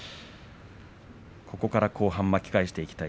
ここから後半巻き返していきたい